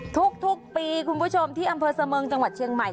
ทุกปีคุณผู้ชมที่อำเภอเสมิงจังหวัดเชียงใหม่